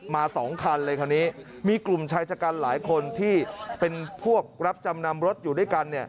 มา๒คันเลยคราวนี้มีกลุ่มชายชะกันหลายคนที่เป็นพวกรับจำนำรถอยู่ด้วยกัน